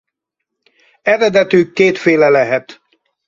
Eredetük kétféle lehet.